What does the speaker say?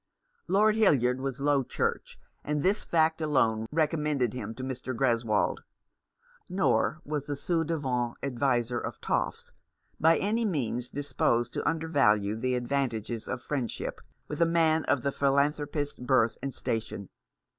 Lord Hildyard was Low Church, and this fact alone recommended him to Mr. Greswold. Nor was the ci devant adviser of " toffs " by any means disposed to undervalue the advantages of friend ship with a man of the philanthropist's birth and station.